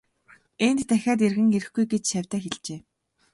Энд дахиад эргэн ирэхгүй гэж шавьдаа хэлжээ.